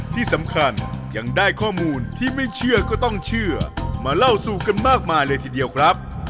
ที่สำคัญยังได้ข้อมูลที่ไม่เชื่อก็ต้องเชื่อมาเล่าสู่กันมากมายเลยทีเดียวครับ